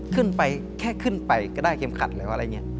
ขึ้นไปแค่ขึ้นไปก็ได้เข็มขัดหรืออะไรอย่างนี้